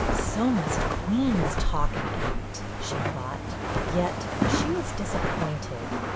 "So must queens talk and act," she thought. Yet she was disappointed.